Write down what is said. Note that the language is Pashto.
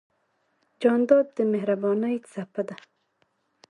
جانداد د مهربانۍ څپه ده.